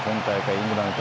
イングランド